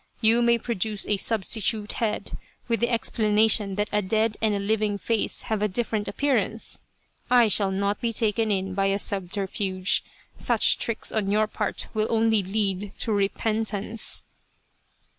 You may produce a substitute head, with the explanation that a dead and a living face have a different appearance. I shall not be taken in by a subterfuge. Such tricks on your part will only lead to repentance